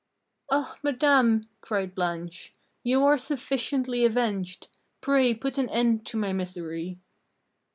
"Ah, madame!" cried Blanche, "you are sufficiently avenged! Pray put an end to my misery!"